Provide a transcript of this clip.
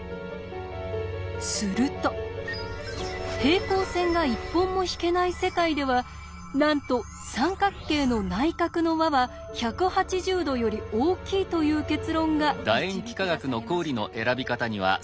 すると平行線が１本も引けない世界ではなんと三角形の内角の和は１８０°より大きいという結論が導き出されました。